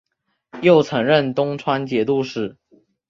又曾任东川节度使。